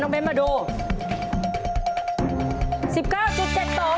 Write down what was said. น้องเบ้นมาดู๑๙๗๒ครับ